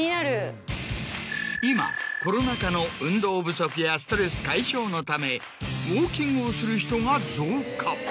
今コロナ禍の運動不足やストレス解消のためウォーキングをする人が増加。